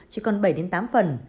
chỉ còn bảy tám phần